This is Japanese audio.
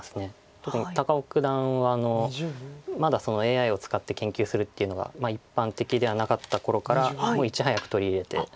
特に高尾九段はまだＡＩを使って研究するっていうのが一般的ではなかった頃からもういち早く取り入れて。